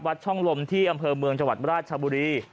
ช่องลมที่อำเภอเมืองจังหวัดราชบุรี